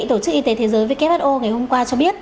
tổ chức y tế thế giới who ngày hôm qua cho biết